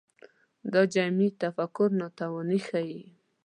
دا جمعي تفکر ناتواني ښيي